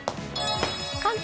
関東